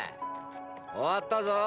終わったぞー。